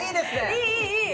いいいい！